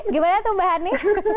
gimana tuh mbak hany